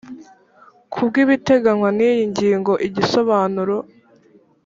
ku bw ibiteganywa n iyi ngingo igisobanuro